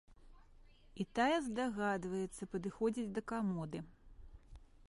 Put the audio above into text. І тая здагадваецца, падыходзіць да камоды.